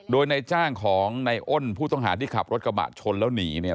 โดยในจ้างของในอ้นผู้ต้องหาที่ขับรถกระบะชนแล้วหนีเนี่ย